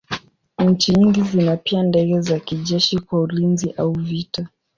Nchi nyingi zina pia ndege za kijeshi kwa ulinzi au vita.